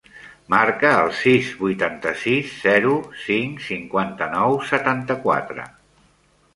Marca el sis, vuitanta-sis, zero, cinc, cinquanta-nou, setanta-quatre.